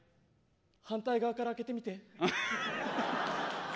反対から開けてみて。